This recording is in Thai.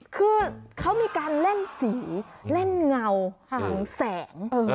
คือเขามีการเล่นสีเล่นเงาของแสง